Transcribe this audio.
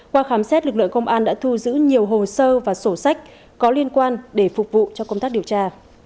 qua khám xét lực lượng công an đã thu giữ nhiều hồ sơ và sổ sách có liên quan để phục vụ cho công tác điều tra